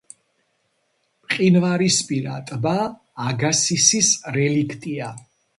მყინვარისპირა ტბა აგასისის რელიქტია.